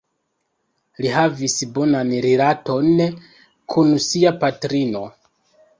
Li havis bonan rilaton kun sia patrino.